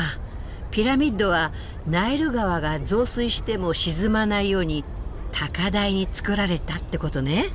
ピラミッドはナイル川が増水しても沈まないように高台につくられたってことね？